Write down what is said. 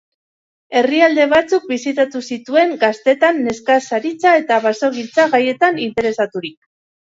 Herrialde batzuk bisitatu zituen gaztetan nekazaritza eta basogintza gaietan interesaturik.